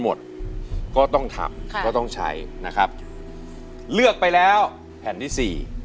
หมดก็ต้องทำค่ะก็ต้องใช้นะครับเลือกไปแล้วแผ่นที่สี่